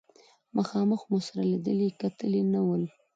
مخامخ مو سره لیدلي کتلي نه ول.